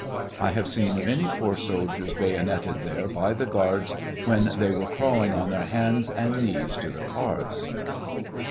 I have seen many poor soldiers bayoneted there by the guards when tbey were crawling on their hands and knees to the cars.